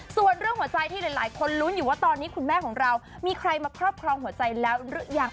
ส่วนเรื่องหัวใจที่หลายคนลุ้นอยู่ว่าตอนนี้คุณแม่ของเรามีใครมาครอบครองหัวใจแล้วหรือยัง